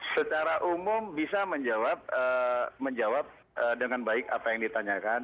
secara umum bisa menjawab dengan baik apa yang ditanyakan